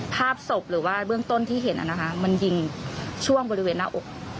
ภาพศพหรือว่าเบื้องต้นที่เห็นนะคะมันยิงช่วงบริเวณหน้าอก